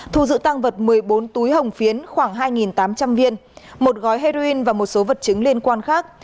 thu giữ tăng vật một mươi bốn túi hồng phiến khoảng hai tám trăm linh viên một gói heroin và một số vật chứng liên quan khác